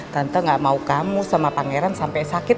tante gak mau kamu sama pangeran sampai sakit